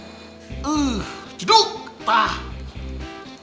eh gedug tah